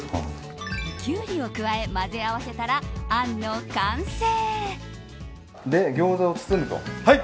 キュウリを加え混ぜ合わせたら、あんの完成。